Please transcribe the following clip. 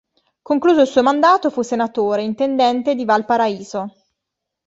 Concluso il suo mandato, fu senatore e intendente di Valparaíso.